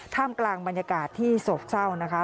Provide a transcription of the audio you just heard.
กลางบรรยากาศที่โศกเศร้านะคะ